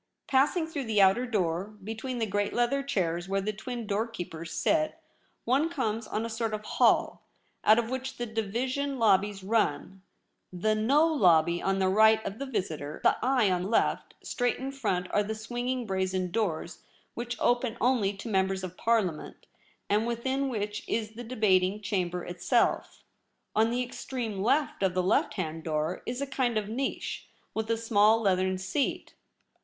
Passing through the outer door, between the great leather chairs where the twin doorkeepers sit, one comes on a sort of 28 THE REBEL ROSE. hall, out of which the division lobbies run, the * No ' lobby on the right of the visitor, the * Aye ' on the left ; straight In front are the swinging brazen doors which open only to Members of Parliament, and within which is the debating chamber Itself. On the ex treme left of the left hand door Is a kind of niche, with a small leathern seat.